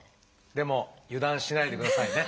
でも油断しないでくださいね。